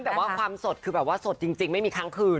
แต่ว่าความสดคือแบบว่าสดจริงไม่มีครั้งคืน